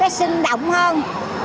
nó sinh động hơn